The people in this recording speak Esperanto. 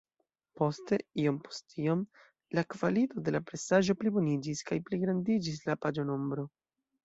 Poste, iom-post-iom la kvalito de la presaĵo pliboniĝis, kaj pligrandiĝis la paĝo-nombro.